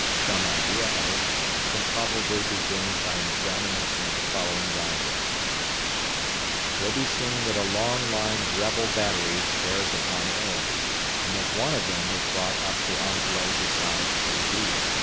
Some idea of it can probably be gained by an examination of the following diagram: It will be seen that a long line of rebel batteries bears upon A, and that one of them was brought up to enfilade the side AB.